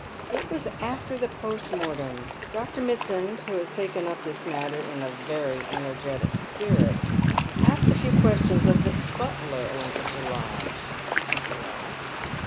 " It was after the post mortem. Dr. Mitsand, who has take^ 342 Dead Men's Shoes. ?p this matter In a very energ'etic spirit, asked a few questions of the butler at Lancaster Lodge." " Well